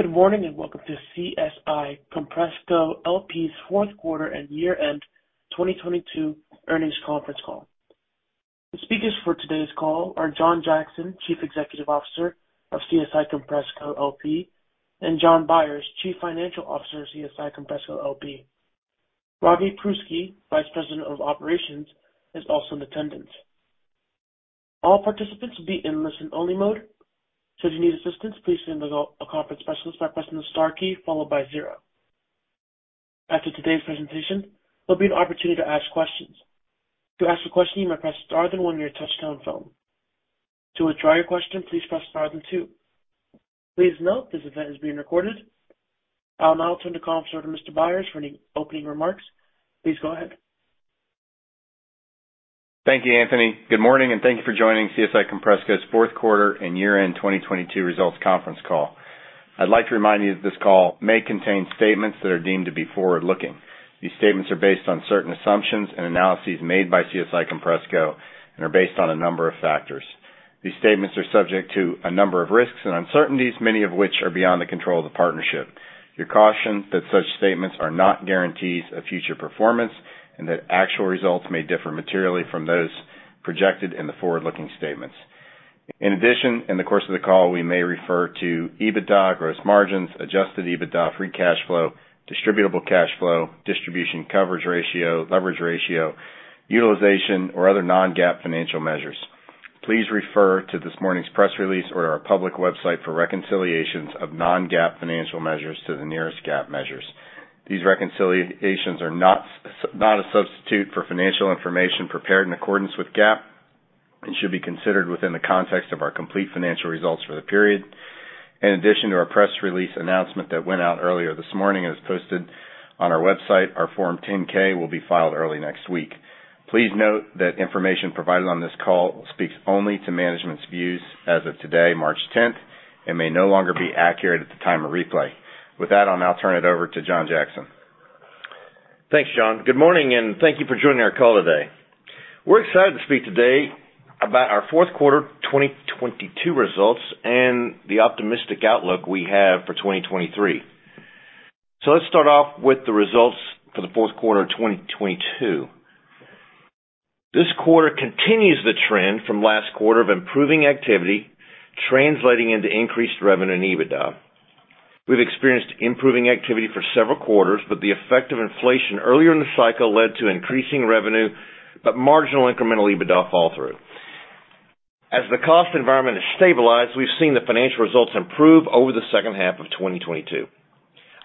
Good morning, and welcome to CSI Compressco LP's fourth quarter and year-end 2022 earnings conference call. The speakers for today's call are John Jackson, Chief Executive Officer of CSI Compressco LP, and Jon Byers, Chief Financial Officer of CSI Compressco LP. Robert Purgason, Vice President of Operations, is also in attendance. All participants will be in listen-only mode. Should you need assistance, please send a conference specialist by pressing the star key followed by 0. After today's presentation, there'll be an opportunity to ask questions. To ask a question, you may press star then one your touch-tone phone. To withdraw your question, please press star then two. Please note this event is being recorded. I'll now turn the call over to Mr. Byers for any opening remarks. Please go ahead. Thank you, Anthony. Good morning, and thank you for joining CSI Compressco's fourth quarter and year-end 2022 results conference call. I'd like to remind you that this call may contain statements that are deemed to be forward-looking. These statements are based on certain assumptions and analyses made by CSI Compressco and are based on a number of factors. These statements are subject to a number of risks and uncertainties, many of which are beyond the control of the partnership. You're cautioned that such statements are not guarantees of future performance and that actual results may differ materially from those projected in the forward-looking statements. In addition, in the course of the call, we may refer to EBITDA, gross margins, Adjusted EBITDA, free cash flow, distributable cash flow, distribution coverage ratio, leverage ratio, utilization, or other non-GAAP financial measures. Please refer to this morning's press release or our public website for reconciliations of non-GAAP financial measures to the nearest GAAP measures. These reconciliations are not a substitute for financial information prepared in accordance with GAAP and should be considered within the context of our complete financial results for the period. In addition to our press release announcement that went out earlier this morning and is posted on our website, our Form 10-K will be filed early next week. Please note that information provided on this call speaks only to management's views as of today, March 10th, and may no longer be accurate at the time of replay. With that, I'll now turn it over to John Jackson. Thanks, John. Good morning, and thank you for joining our call today. We're excited to speak today about our fourth quarter 2022 results and the optimistic outlook we have for 2023. Let's start off with the results for the fourth quarter of 2022. This quarter continues the trend from last quarter of improving activity, translating into increased revenue and EBITDA. We've experienced improving activity for several quarters, but the effect of inflation earlier in the cycle led to increasing revenue but marginal incremental EBITDA fall through. As the cost environment has stabilized, we've seen the financial results improve over the second half of 2022.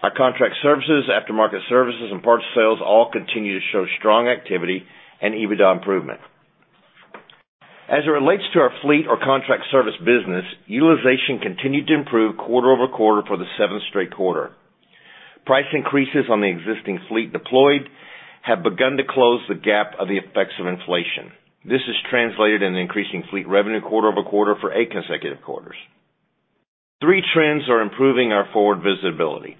Our contract services, aftermarket services, and parts sales all continue to show strong activity and EBITDA improvement. As it relates to our fleet or contract service business, utilization continued to improve quarter-over-quarter for the seventh straight quarter. Price increases on the existing fleet deployed have begun to close the gap of the effects of inflation. This has translated in increasing fleet revenue quarter-over-quarter for eight consecutive quarters. Three trends are improving our forward visibility.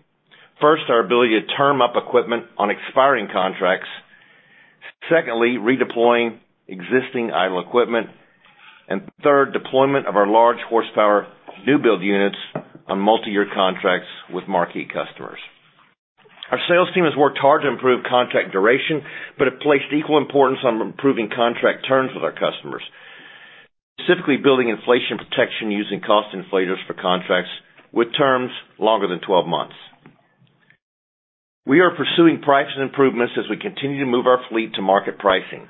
First, our ability to term up equipment on expiring contracts. Secondly, redeploying existing idle equipment. Third, deployment of our large horsepower new-build units on multiyear contracts with marquee customers. Our sales team has worked hard to improve contract duration but have placed equal importance on improving contract terms with our customers, specifically building inflation protection using cost inflators for contracts with terms longer than 12 months. We are pursuing pricing improvements as we continue to move our fleet to market pricing.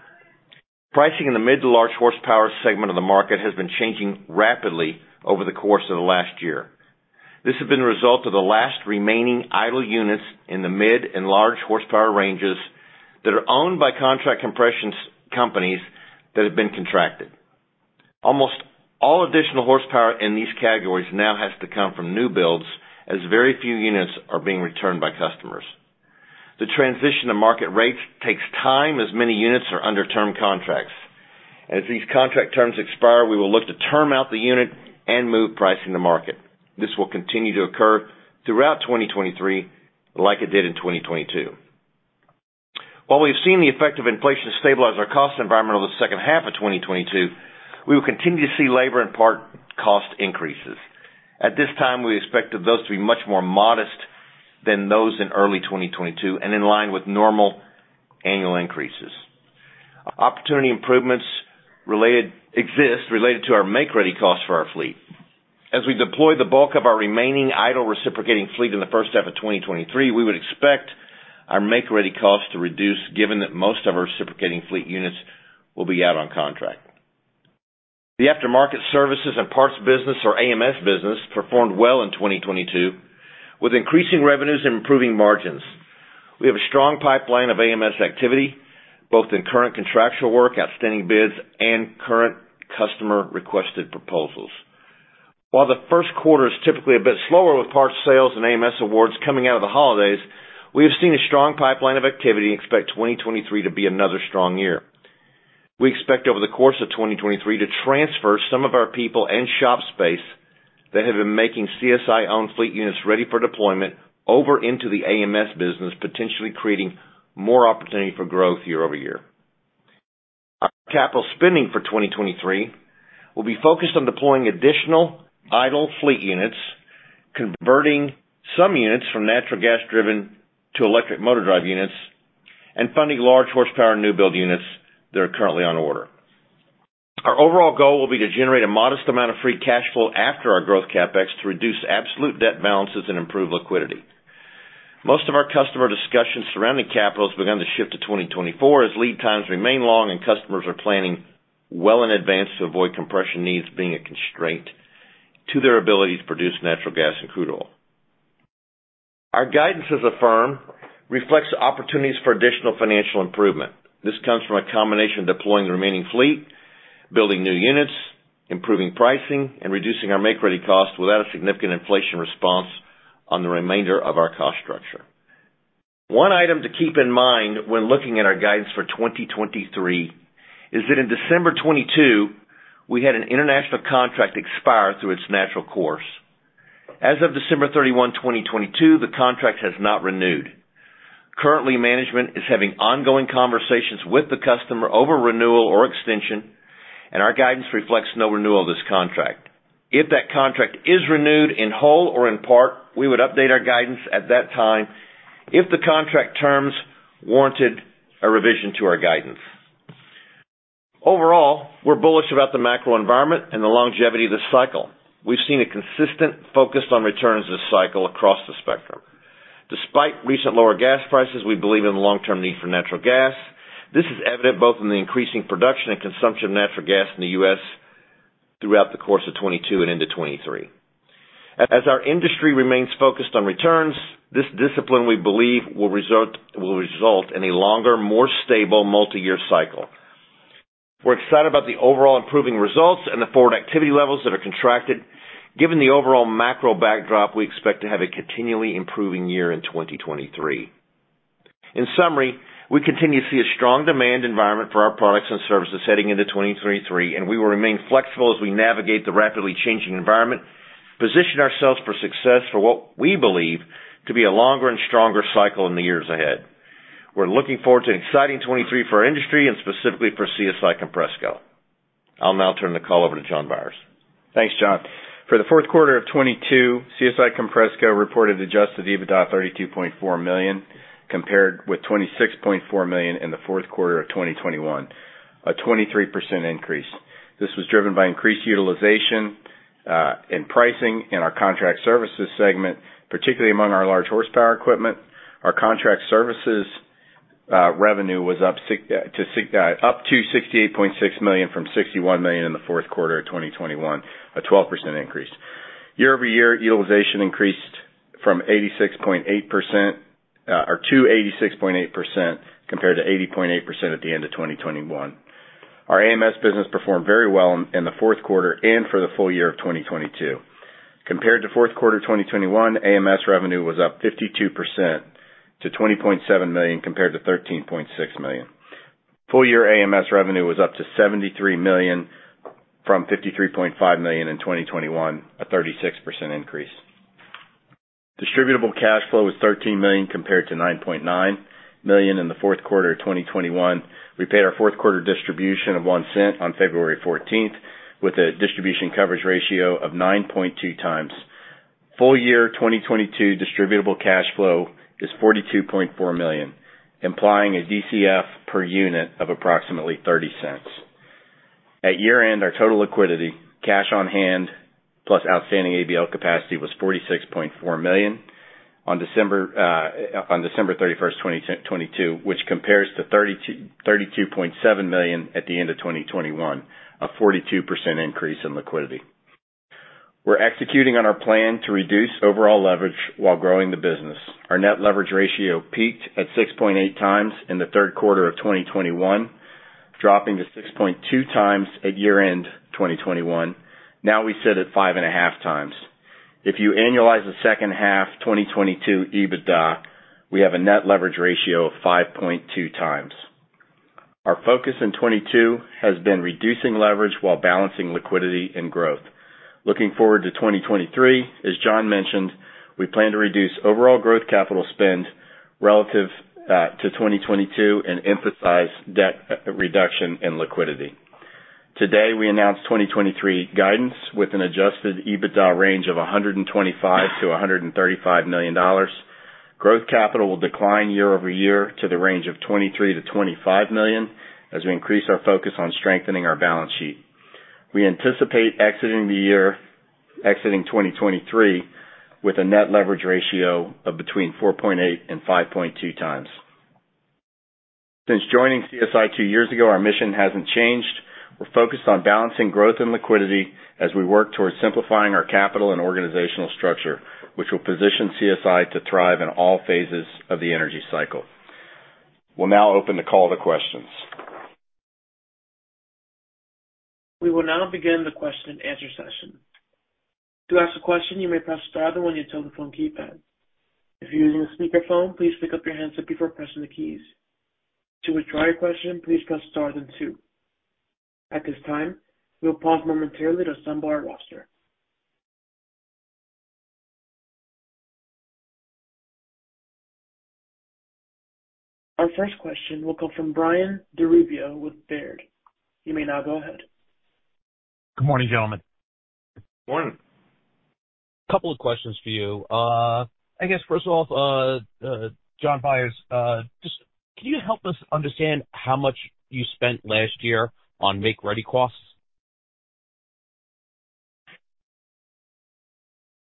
Pricing in the mid to large horsepower segment of the market has been changing rapidly over the course of the last year. This has been a result of the last remaining idle units in the mid and large horsepower ranges that are owned by contract compression companies that have been contracted. Almost all additional horsepower in these categories now has to come from new builds as very few units are being returned by customers. The transition to market rates takes time as many units are under term contracts. As these contract terms expire, we will look to term out the unit and move pricing to market. This will continue to occur throughout 2023 like it did in 2022. While we've seen the effect of inflation stabilize our cost environment over the second half of 2022, we will continue to see labor and part cost increases. At this time, we expect those to be much more modest than those in early 2022 and in line with normal annual increases. Opportunity improvements exist related to our make-ready costs for our fleet. As we deploy the bulk of our remaining idle reciprocating fleet in the first half of 2023, we would expect our make-ready costs to reduce given that most of our reciprocating fleet units will be out on contract. The aftermarket services and parts business or AMS business performed well in 2022 with increasing revenues and improving margins. We have a strong pipeline of AMS activity, both in current contractual work, outstanding bids, and current customer-requested proposals. While the first quarter is typically a bit slower with parts sales and AMS awards coming out of the holidays, we have seen a strong pipeline of activity and expect 2023 to be another strong year. We expect over the course of 2023 to transfer some of our people and shop space that have been making CSI-owned fleet units ready for deployment over into the AMS business, potentially creating more opportunity for growth year-over-year. Our capital spending for 2023 will be focused on deploying additional idle fleet units, converting some units from natural gas-driven to electric motor drive units, and funding large horsepower new build units that are currently on order. Our overall goal will be to generate a modest amount of free cash flow after our growth CapEx to reduce absolute debt balances and improve liquidity. Most of our customer discussions surrounding capital has begun to shift to 2024 as lead times remain long and customers are planning well in advance to avoid compression needs being a constraint to their ability to produce natural gas and crude oil. Our guidance as a firm reflects opportunities for additional financial improvement. This comes from a combination of deploying the remaining fleet, building new units, improving pricing, and reducing our make-ready costs without a significant inflation response on the remainder of our cost structure. One item to keep in mind when looking at our guidance for 2023 is that in December 2022, we had an international contract expire through its natural course. As of December 31, 2022, the contract has not renewed. Currently, management is having ongoing conversations with the customer over renewal or extension, and our guidance reflects no renewal of this contract. If that contract is renewed in whole or in part, we would update our guidance at that time if the contract terms warranted a revision to our guidance. Overall, we're bullish about the macro environment and the longevity of this cycle. We've seen a consistent focus on returns this cycle across the spectrum. Despite recent lower gas prices, we believe in the long-term need for natural gas. This is evident both in the increasing production and consumption of natural gas in the US throughout the course of 2022 and into 2023. As our industry remains focused on returns, this discipline, we believe, will result in a longer, more stable multi-year cycle. We're excited about the overall improving results and the forward activity levels that are contracted. Given the overall macro backdrop, we expect to have a continually improving year in 2023. In summary, we continue to see a strong demand environment for our products and services heading into 2023, and we will remain flexible as we navigate the rapidly changing environment, position ourselves for success for what we believe to be a longer and stronger cycle in the years ahead. We're looking forward to an exciting 2023 for our industry and specifically for CSI Compressco. I'll now turn the call over to Jon Byers. Thanks, John. For the fourth quarter of 2022, CSI Compressco reported Adjusted EBITDA $32.4 million, compared with $26.4 million in the fourth quarter of 2021, a 23% increase. This was driven by increased utilization and pricing in our contract services segment, particularly among our large horsepower equipment. Our contract services revenue was up to $68.6 million from $61 million in the fourth quarter of 2021, a 12% increase. Year-over-year utilization increased from 86.8% or to 86.8% compared to 80.8% at the end of 2021. Our AMS business performed very well in the fourth quarter and for the full year of 2022. Compared to fourth quarter 2021, AMS revenue was up 52% to $20.7 million compared to $13.6 million. Full year AMS revenue was up to $73 million from $53.5 million in 2021, a 36% increase. distributable cash flow was $13 million compared to $9.9 million in the fourth quarter of 2021. We paid our fourth quarter distribution of $0.01 on February 14th with a distribution coverage ratio of 9.2x. Full year 2022 distributable cash flow is $42.4 million, implying a DCF per unit of approximately $0.30. At year-end, our total liquidity, cash on hand, plus outstanding ABL capacity, was $46.4 million on December 31st, 2022, which compares to $32.7 million at the end of 2021, a 42% increase in liquidity. We're executing on our plan to reduce overall leverage while growing the business. Our Net Leverage Ratio peaked at 6.8x in the third quarter of 2021, dropping to 6.2x at year-end 2021. Now we sit at 5.5x. If you annualize the second half 2022 EBITDA, we have a Net Leverage Ratio of 5.2x. Our focus in 2022 has been reducing leverage while balancing liquidity and growth. Looking forward to 2023, as John mentioned, we plan to reduce overall growth capital spend relative to 2022 and emphasize debt reduction and liquidity. Today, we announced 2023 guidance with an Adjusted EBITDA range of $125 million-$135 million. Growth capital will decline year-over-year to the range of $23 million-$25 million as we increase our focus on strengthening our balance sheet. We anticipate exiting the year, exiting 2023, with a Net Leverage Ratio of between 4.8x and 5.2x. Since joining CSI two years ago, our mission hasn't changed. We're focused on balancing growth and liquidity as we work towards simplifying our capital and organizational structure, which will position CSI to thrive in all phases of the energy cycle. We'll now open the call to questions. We will now begin the question and answer session. To ask a question, you may press star on your telephone keypad. If you're using a speakerphone, please pick up your handset before pressing the keys. To withdraw your question, please press star then two. At this time, we'll pause momentarily to assemble our roster. Our first question will come from Brian DiRubbio with Baird. You may now go ahead. Good morning, gentlemen. Morning. Couple of questions for you. I guess first off, Jon Byers, just can you help us understand how much you spent last year on make-ready costs?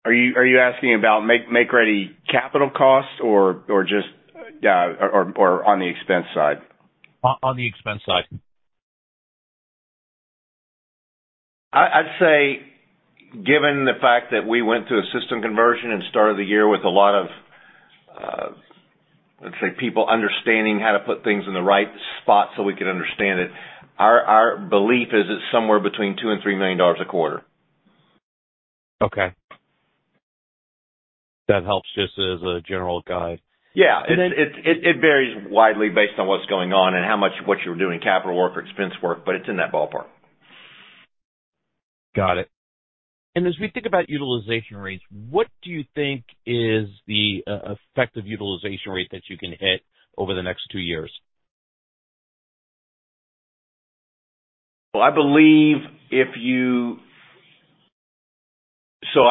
Are you asking about make-ready capital costs or just or on the expense side? On the expense side. I'd say given the fact that we went through a system conversion and started the year with a lot of, let's say, people understanding how to put things in the right spot so we could understand it, our belief is it's somewhere between $2 million-$3 million a quarter. Okay. That helps just as a general guide. Yeah. It varies widely based on what's going on and how much of what you're doing capital work or expense work, but it's in that ballpark. Got it. As we think about utilization rates, what do you think is the effective utilization rate that you can hit over the next two years? I believe I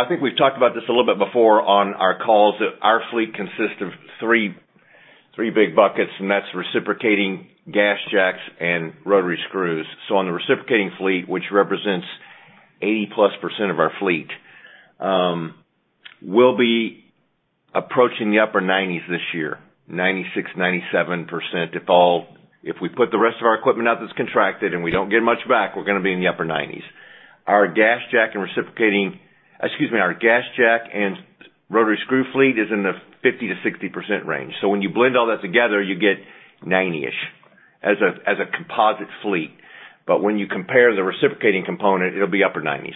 think we've talked about this a little bit before on our calls. Our fleet consists of three big buckets, and that's reciprocating gas jacks and rotary screws. On the reciprocating fleet, which represents 80%+ of our fleet, we'll be approaching the upper 90s this year, 96%-97%. If we put the rest of our equipment out that's contracted, and we don't get much back, we're gonna be in the upper 90s. Our gas jack and rotary screw fleet is in the 50%-60% range. When you blend all that together, you get 90-ish as a composite fleet. When you compare the reciprocating component, it'll be upper 90s.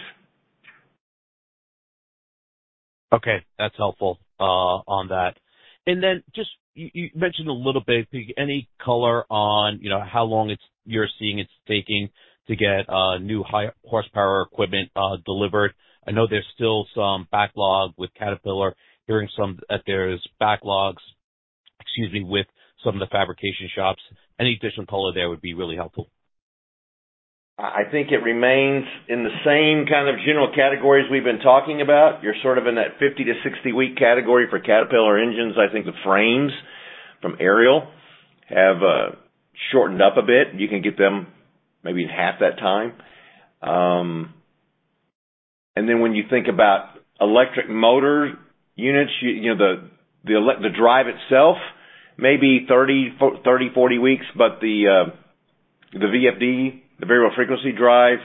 Okay. That's helpful on that. Just you mentioned a little bit, any color on, you know, how long you're seeing it's taking to get new high horsepower equipment delivered? I know there's still some backlog with Caterpillar, hearing that there's backlogs, excuse me, with some of the fabrication shops. Any additional color there would be really helpful. I think it remains in the same kind of general categories we've been talking about. You're sort of in that 50-60-week category for Caterpillar engines. I think the frames from Ariel have shortened up a bit. You can get them maybe in half that time. Then when you think about electric motor units, you know, the drive itself, maybe 30, 40 weeks, but the VFD, the variable frequency drive,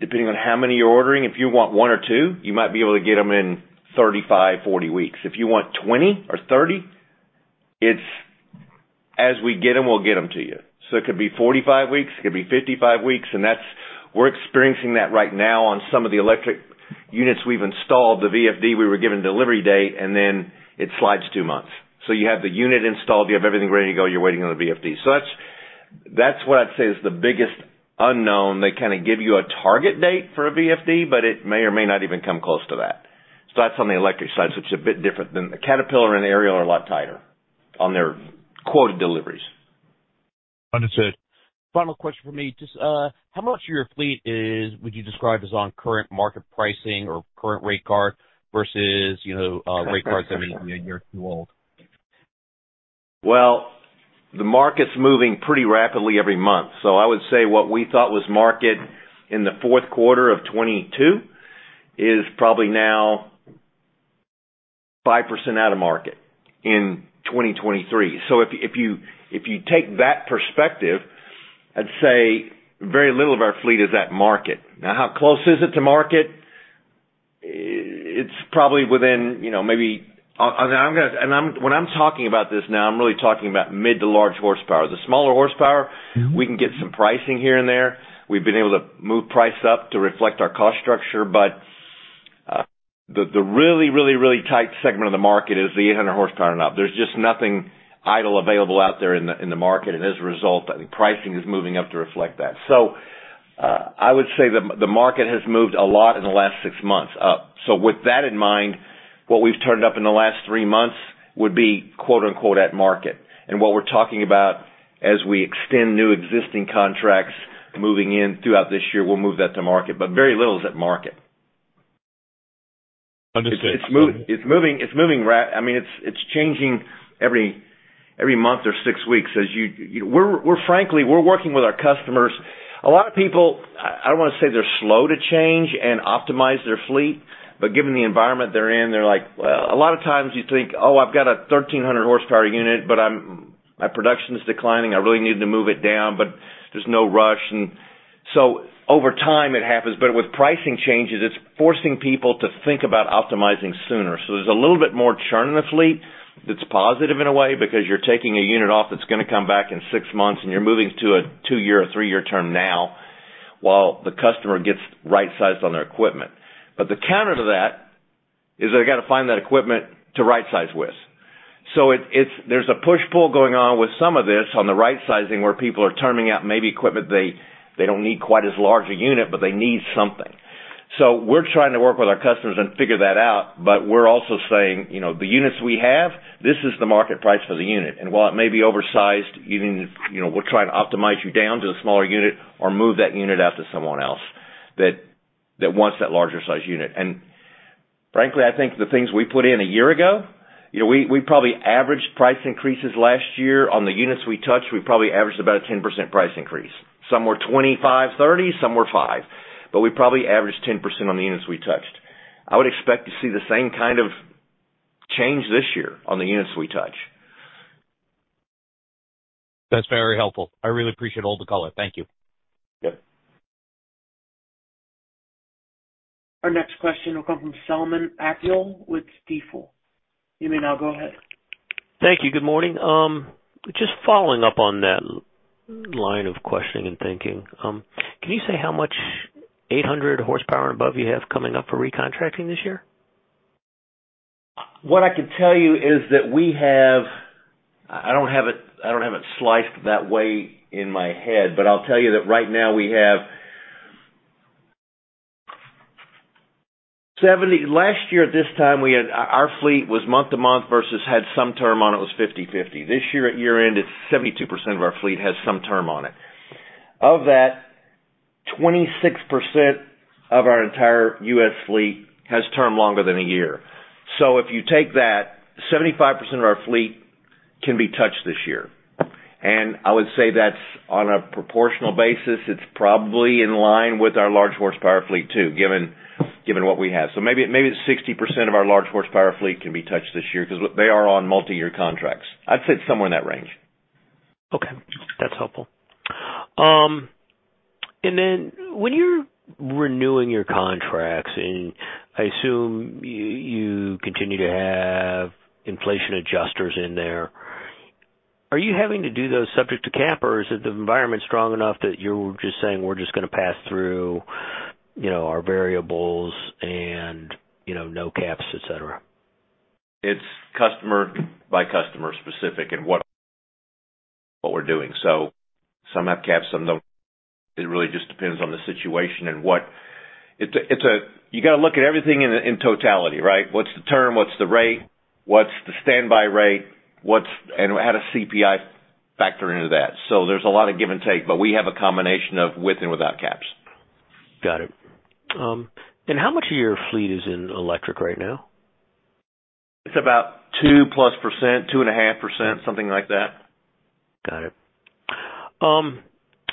depending on how many you're ordering, if you want one or two, you might be able to get them in 35, 40 weeks. If you want 20 or 30, it's as we get them, we'll get them to you. It could be 45 weeks, it could be 55 weeks, and that's. We're experiencing that right now on some of the electric units we've installed. The VFD, we were given a delivery date, and then it slides two months. You have the unit installed, you have everything ready to go, you're waiting on the VFD. That's what I'd say is the biggest unknown. They kind of give you a target date for a VFD, but it may or may not even come close to that. That's on the electric side, so it's a bit different than. The Caterpillar and Ariel are a lot tighter on their quoted deliveries. Understood. Final question for me. Just, how much of your fleet is, would you describe as on current market pricing or current rate card versus, you know, rate cards that are a year or two old? The market's moving pretty rapidly every month. I would say what we thought was market in the fourth quarter of 2022 is probably now 5% out of market in 2023. If you take that perspective, I'd say very little of our fleet is at market. How close is it to market? It's probably within, you know, maybe... I mean, I'm gonna... When I'm talking about this now, I'm really talking about mid to large horsepower. The smaller horsepower... Mm-hmm. we can get some pricing here and there. We've been able to move price up to reflect our cost structure. The really, really, really tight segment of the market is the 800 hp and up. There's just nothing idle available out there in the market. As a result, I think pricing is moving up to reflect that. I would say the market has moved a lot in the last six months. With that in mind, what we've turned up in the last three months would be, quote-unquote, "at market." What we're talking about as we extend new existing contracts moving in throughout this year, we'll move that to market, but very little is at market. Understood. I mean, it's changing every month or six weeks as you... frankly, we're working with our customers. A lot of people, I don't wanna say they're slow to change and optimize their fleet, but given the environment they're in, they're like, well, a lot of times you think, "Oh, I've got a 1,300 hp unit, but my production is declining. I really need to move it down, but there's no rush." Over time it happens. With pricing changes, it's forcing people to think about optimizing sooner. There's a little bit more churn in the fleet that's positive in a way because you're taking a unit off that's gonna come back in six months, and you're moving to a two-year or three-year term now while the customer gets right-sized on their equipment. The counter to that is they've got to find that equipment to right-size with. There's a push-pull going on with some of this on the right-sizing where people are terming out maybe equipment they don't need quite as large a unit, but they need something. We're trying to work with our customers and figure that out, but we're also saying, you know, the units we have, this is the market price for the unit. While it may be oversized, even, you know, we're trying to optimize you down to the smaller unit or move that unit out to someone else that wants that larger size unit. Frankly, I think the things we put in a year ago, you know, we probably averaged price increases last year on the units we touched. We probably averaged about a 10% price increase. Some were 25, 30, some were five, but we probably averaged 10% on the units we touched. I would expect to see the same kind of change this year on the units we touch. That's very helpful. I really appreciate all the color. Thank you. Yep. Our next question will come from Selman Akyol with Stifel. You may now go ahead. Thank you. Good morning. Just following up on that line of questioning and thinking, can you say how much 800 hp and above you have coming up for recontracting this year? What I can tell you is that I don't have it, I don't have it sliced that way in my head, but I'll tell you that right now. Last year at this time, our fleet was month to month versus had some term on it, was 50/50. This year at year-end, it's 72% of our fleet has some term on it. Of that, 26% of our entire U.S. fleet has term longer than a year. If you take that, 75% of our fleet can be touched this year. I would say that's on a proportional basis. It's probably in line with our large horsepower fleet too, given what we have. Maybe 60% of our large horsepower fleet can be touched this year because they are on multi-year contracts. I'd say somewhere in that range. Okay, that's helpful. Then when you're renewing your contracts, and I assume you continue to have inflation adjusters in there, are you having to do those subject to cap, or is it the environment's strong enough that you're just saying, we're just gonna pass through, you know, our variables and, you know, no caps, etc.? It's customer by customer specific and what we're doing. Some have caps, some don't. It really just depends on the situation and what... It's a, you gotta look at everything in totality, right? What's the term? What's the rate? What's the standby rate? How does CPI factor into that? There's a lot of give and take, but we have a combination of with and without caps. Got it. How much of your fleet is in electric right now? It's about 2%+, 2.5%, something like that. Got it.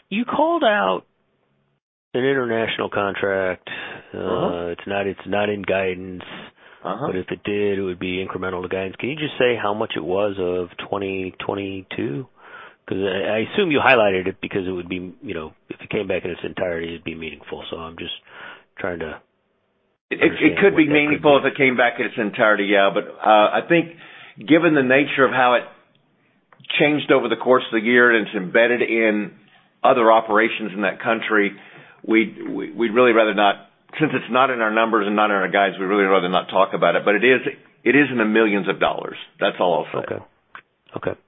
You called out an international contract. Mm-hmm. It's not in guidance. Uh-huh. If it did, it would be incremental to guidance. Can you just say how much it was of 2022? Because I assume you highlighted it because it would be, you know, if it came back in its entirety, it'd be meaningful. I'm just trying to understand what that could be. It could be meaningful if it came back in its entirety, yeah. I think given the nature of how it changed over the course of the year and it's embedded in other operations in that country, we'd really rather not. Since it's not in our numbers and not in our guides, we'd really rather not talk about it. It is in the millions of dollars. That's all I'll say. Okay. Okay.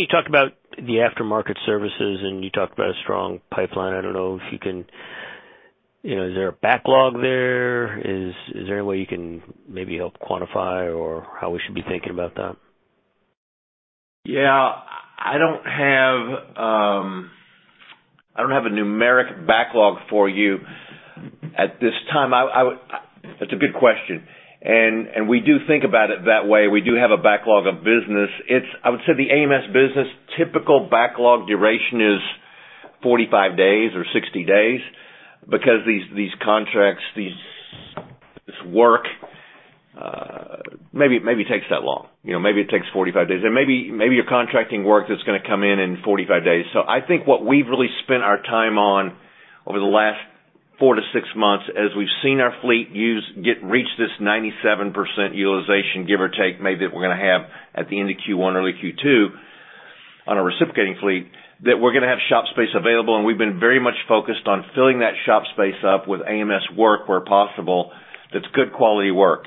You talked about the aftermarket services, and you talked about a strong pipeline. I don't know if you can, you know, is there a backlog there? Is there any way you can maybe help quantify or how we should be thinking about that? I don't have a numeric backlog for you at this time. That's a good question, and we do think about it that way. We do have a backlog of business. I would say the AMS business typical backlog duration is 45 days or 60 days because these contracts, this work, maybe it takes that long. You know, maybe it takes 45 days, and maybe you're contracting work that's gonna come in in 45 days. I think what we've really spent our time on over the last four to six months as we've seen our fleet use reach this 97% utilization, give or take, maybe that we're gonna have at the end of Q1, early Q2 on our reciprocating fleet, that we're gonna have shop space available, and we've been very much focused on filling that shop space up with AMS work where possible. That's good quality work.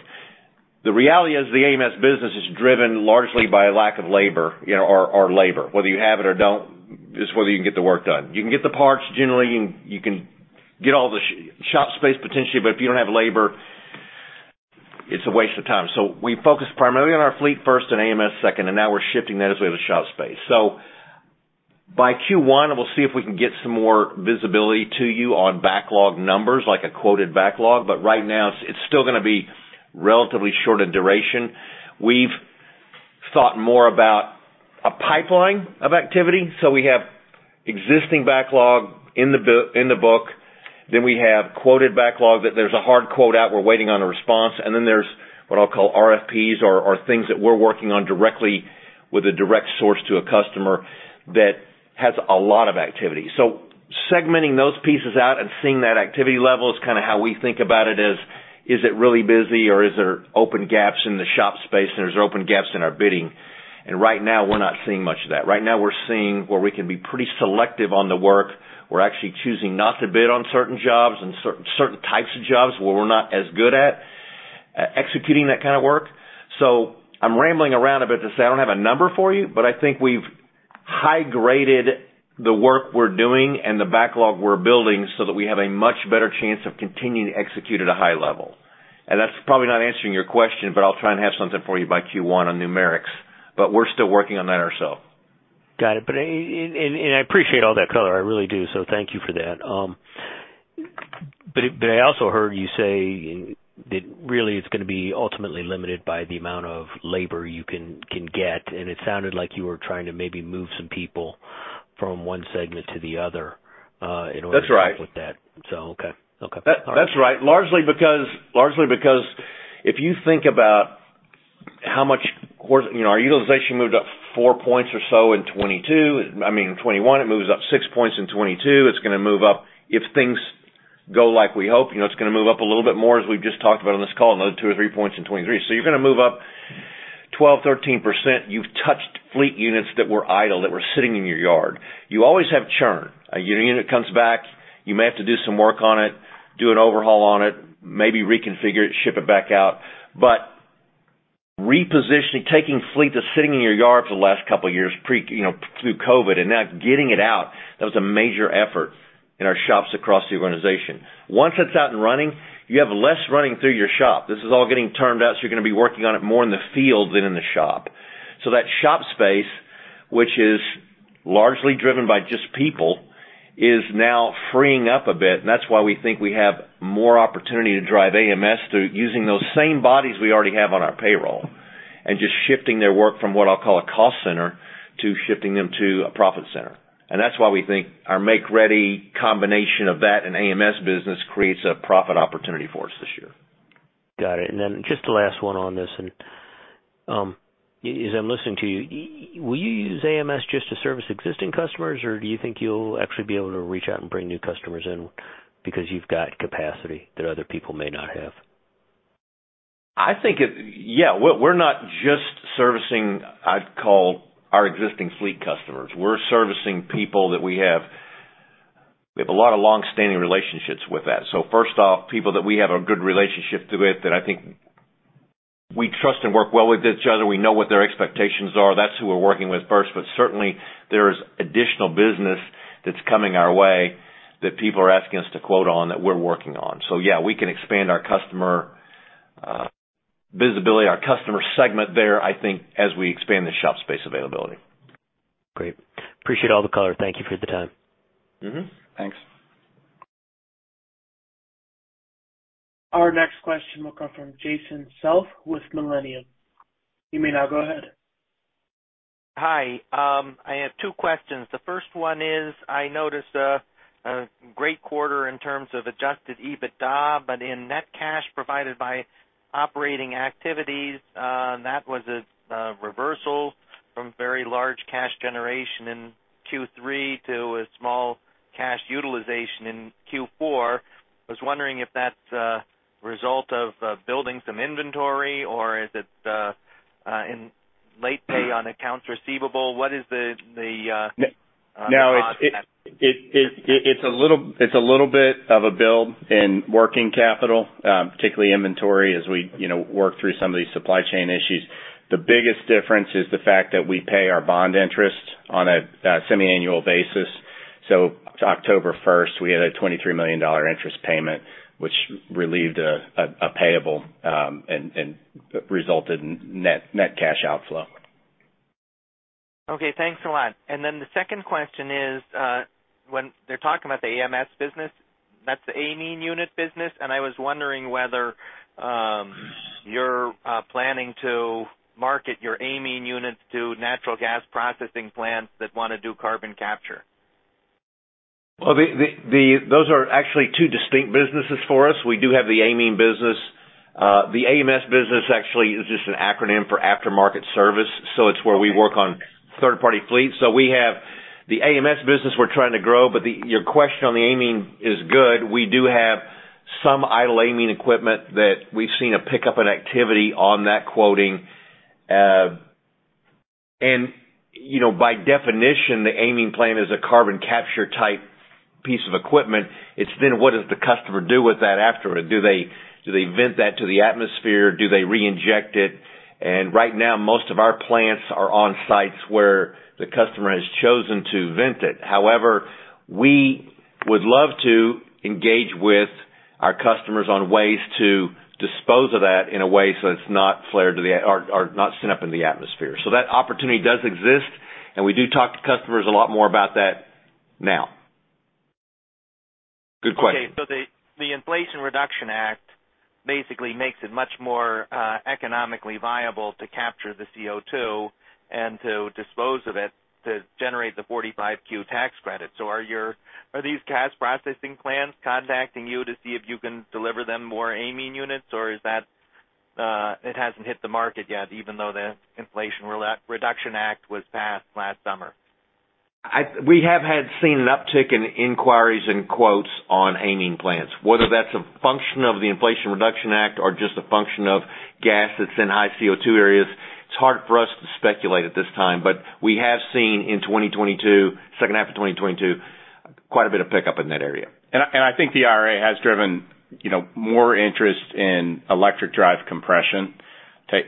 The reality is the AMS business is driven largely by lack of labor, you know, our labor, whether you have it or don't, it's whether you can get the work done. You can get the parts generally, you can get all the shop space potentially, but if you don't have labor, it's a waste of time. We focus primarily on our fleet first and AMS second, and now we're shifting that as we have the shop space. By Q1, we'll see if we can get some more visibility to you on backlog numbers, like a quoted backlog, but right now it's still gonna be relatively short in duration. We've thought more about a pipeline of activity, so we have existing backlog in the book. We have quoted backlog that there's a hard quote out, we're waiting on a response. There's what I'll call RFPs or things that we're working on directly with a direct source to a customer that has a lot of activity. Segmenting those pieces out and seeing that activity level is kinda how we think about it as, is it really busy or is there open gaps in the shop space and there's open gaps in our bidding? Right now we're not seeing much of that. Right now we're seeing where we can be pretty selective on the work. We're actually choosing not to bid on certain jobs and certain types of jobs where we're not as good at executing that kind of work. I'm rambling around a bit to say I don't have a number for you, but I think we've high-graded the work we're doing and the backlog we're building so that we have a much better chance of continuing to execute at a high level. That's probably not answering your question, but I'll try and have something for you by Q1 on numerics. We're still working on that ourself. Got it. And I appreciate all that color. I really do. Thank you for that. I also heard you say that really it's gonna be ultimately limited by the amount of labor you can get, and it sounded like you were trying to maybe move some people from one segment to the other, in order... That's right. to help with that. Okay. Okay. All right. That's right. Largely because if you think about how much You know, our utilization moved up four points or so in 2022. I mean, in 2021. It moves up six points in 2022. It's gonna move up, if things go like we hope, you know, it's gonna move up a little bit more as we've just talked about on this call, another two or three points in 2023. You're gonna move up 12%, 13%. You've touched fleet units that were idle, that were sitting in your yard. You always have churn. A unit comes back, you may have to do some work on it, do an overhaul on it, maybe reconfigure it, ship it back out. Repositioning, taking fleet that's sitting in your yard for the last couple of years pre, you know, through COVID, and now getting it out, that was a major effort in our shops across the organization. Once it's out and running, you have less running through your shop. This is all getting termed out, so you're gonna be working on it more in the field than in the shop. That shop space, which is largely driven by just people, is now freeing up a bit. That's why we think we have more opportunity to drive AMS through using those same bodies we already have on our payroll, and just shifting their work from what I'll call a cost center to shifting them to a profit center. That's why we think our make-ready combination of that and AMS business creates a profit opportunity for us this year. Got it. Then just the last one on this, as I'm listening to you, will you use AMS just to service existing customers, or do you think you'll actually be able to reach out and bring new customers in because you've got capacity that other people may not have? I think. Yeah, we're not just servicing, I'd call our existing fleet customers. We're servicing people that we have a lot of long-standing relationships with that. First off, people that we have a good relationship with that I think we trust and work well with each other. We know what their expectations are. That's who we're working with first. Certainly there's additional business that's coming our way that people are asking us to quote on that we're working on. Yeah, we can expand our customer visibility, our customer segment there, I think, as we expand the shop space availability. Great. Appreciate all the color. Thank you for the time. Mm-hmm. Thanks. Our next question will come from Jason Self with Millennium. You may now go ahead. Hi. I have two questions. The first one is, I noticed a great quarter in terms of Adjusted EBITDA, but in net cash provided by operating activities, that was a reversal from very large cash generation in Q3 to a small cash utilization in Q4. I was wondering if that's a result of building some inventory, or is it in late pay on accounts receivable? What is the cause for that? No, it's a little bit of a build in working capital, particularly inventory, as we, you know, work through some of these supply chain issues. The biggest difference is the fact that we pay our bond interest on a semiannual basis. October 1st, we had a $23 million interest payment, which relieved a payable and resulted in net cash outflow. Okay. Thanks a lot. The second question is, when they're talking about the AMS business, that's the amine unit business, I was wondering whether you're planning to market your amine units to natural gas processing plants that wanna do carbon capture. Well, those are actually two distinct businesses for us. We do have the amine business. The AMS business actually is just an acronym for aftermarket service. It's where we work on third-party fleets. We have the AMS business we're trying to grow. Your question on the amine is good. We do have some idle amine equipment that we've seen a pickup in activity on that quoting. You know, by definition, the amine plant is a carbon capture type piece of equipment. It's what does the customer do with that afterward? Do they vent that to the atmosphere? Do they reinject it? Right now, most of our plants are on sites where the customer has chosen to vent it. We would love to engage with our customers on ways to dispose of that in a way so it's not flared to the or not sent up in the atmosphere. That opportunity does exist, and we do talk to customers a lot more about that now. Good question. Okay. The, the Inflation Reduction Act basically makes it much more economically viable to capture the CO2 and to dispose of it to generate the Section 45Q tax credit. Are these gas processing plants contacting you to see if you can deliver them more amine units, or is that it hasn't hit the market yet, even though the Inflation Reduction Act was passed last summer? We have had seen an uptick in inquiries and quotes on amine plants. Whether that's a function of the Inflation Reduction Act or just a function of gas that's in high CO2 areas, it's hard for us to speculate at this time. We have seen in 2022, second half of 2022, quite a bit of pickup in that area. I think the IRA has driven, you know, more interest in electric drive compression,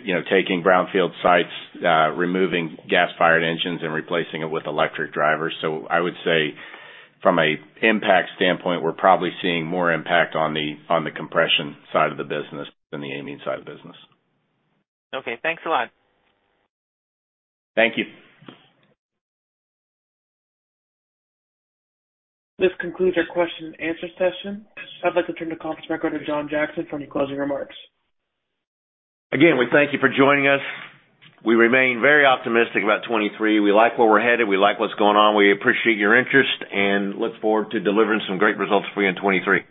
you know, taking brownfield sites, removing gas-fired engines and replacing it with electric drivers. I would say from a impact standpoint, we're probably seeing more impact on the, on the compression side of the business than the amine side of the business. Okay. Thanks a lot. Thank you. This concludes our question and answer session. I'd like to turn the conference back over to John Jackson for any closing remarks. We thank you for joining us. We remain very optimistic about 2023. We like where we're headed. We like what's going on. We appreciate your interest and look forward to delivering some great results for you in 2023.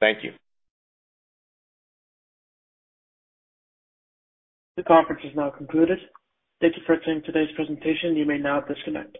Thank you. The conference is now concluded. Thank you for attending today's presentation. You may now disconnect.